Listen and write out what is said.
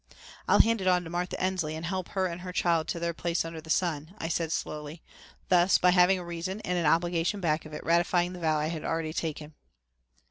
"I'll hand it on to Martha Ensley and help her and her child to their place under the sun," I said slowly, thus by having a reason and an obligation back of it, ratifying the vow I had already taken.